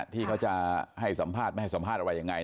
ที่เขาจะให้สัมภาษณ์ไม่ให้สัมภาษณ์อะไรยังไง